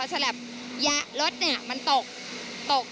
แยะรถมันตก